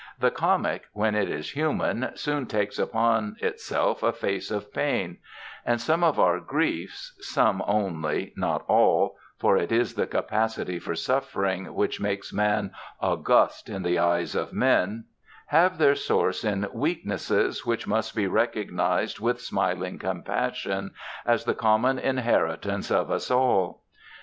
The comic, when it is human, soon takes upon itself a face of pain; and some of our griefs (some only, not all, for it is the capacity for suffering which makes man august in the eyes of men) have their source in weaknesses which must be recognized with smiling compassion as the common inheritance of us all.